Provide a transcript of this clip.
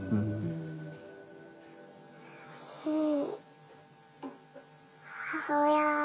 うん。